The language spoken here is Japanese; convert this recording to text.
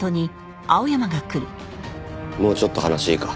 もうちょっと話いいか？